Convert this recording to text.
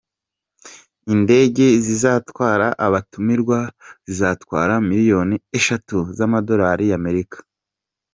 Indege zizatwara abatumirwa zizatwara miliyoni eshatu z’amadorali y’Amerika.